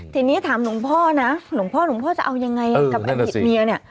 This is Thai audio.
ทีนี้ถามหลวงพ่อนะหลวงพ่อหลวงพ่อจะเอายังไงกับอดีตเมียเนี่ย